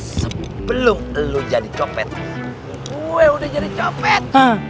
sebelum lu jadi copet gue udah jadi copet